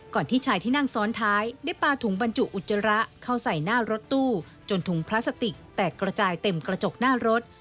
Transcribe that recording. ที่ชายที่นั่งซ้อนท้ายได้ปลาถุงบรรจุอุจจาระเข้าใส่หน้ารถตู้จนถุงพลาสติกแตกระจายเต็มกระจกหน้ารถ